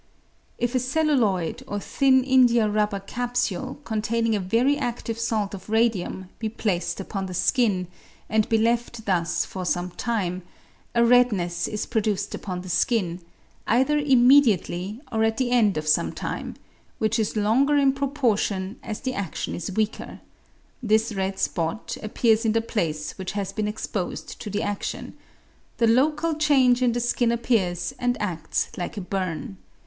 If a celluloid or thin indiarubber capsule containing a very adive salt of radium be placed upon the skin, and be left thus for some time, a redness is produced upon the skin, either immediately or at the end of some time, which is longer in proportion as the adtion is weaker ; this red spot appears in the place which has been exposed to the adlion ; the local change in the skin appears and ads like a burn.